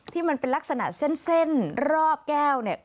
ที่มันเป็นลักษณะเส้นรอบแก้ว